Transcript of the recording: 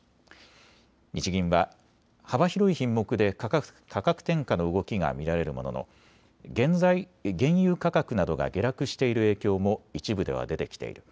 日銀は幅広い品目で価格転嫁の動きが見られるものの原油価格などが下落している影響も一部では出てきている。